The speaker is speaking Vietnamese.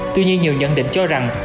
tuy nhiên nhiều nhận định cho rằng